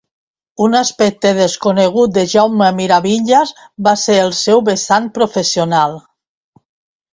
Un aspecte desconegut de Jaume Miravitlles va ser el seu vessant professional.